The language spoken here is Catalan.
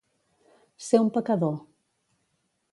Ser un pecador.